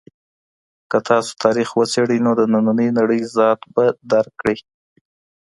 که تاسو تاریخ وڅېړئ نو د نننۍ نړۍ ذات به درک کړئ.